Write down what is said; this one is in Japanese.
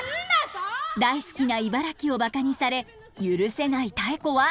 大好きな茨城をバカにされ許せないタエコは。